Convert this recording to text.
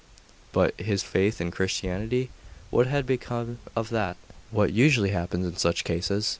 But his faith in Christianity? What had become of that? What usually happens in such cases.